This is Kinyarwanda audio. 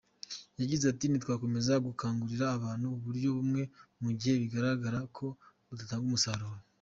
Yagize ati “Ntitwakomeza gukangurira abantu uburyo bumwe mu gihe bigaragara ko budatanga umusaruro.